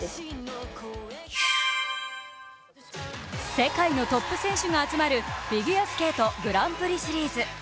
世界のトップ選手が集まるフィギュアスケート、グランプリシリーズ。